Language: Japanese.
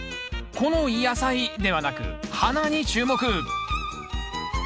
この野菜ではなく花に注目！